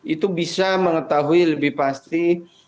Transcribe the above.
itu bisa mengetahui lebih pasti